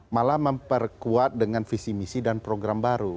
malah memperkuat dengan visi misi dan program baru